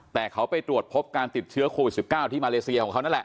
แต่เขาไปตรวจพบการติดเชื้อโควิด๑๙ที่มาเลเซียของเขานั่นแหละ